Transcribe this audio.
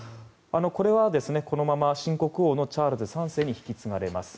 これはこのまま新国王のチャールズ３世に引き継がれます。